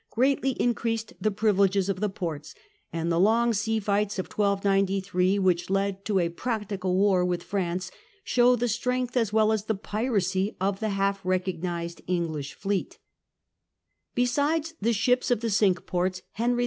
greatly increased the privileges of the Ports, and the long sea fights of 1 293, which led to a practical war with France, show the strength as well as the piracy of the half recognized English fleet Besides the ships of the Cinque Ports Henry II.